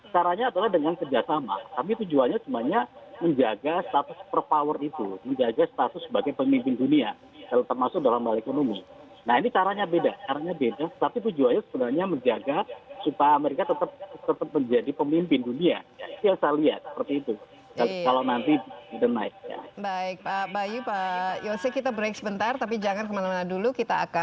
caranya adalah dengan kerjasama